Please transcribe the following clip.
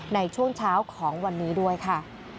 ในช่วงเช้าของวันนี้ด้วยค่ะ